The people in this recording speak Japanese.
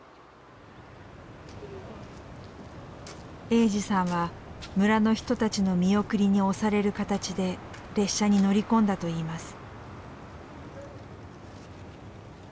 栄司さんは村の人たちの見送りに押される形で列車に乗り込んだといいます。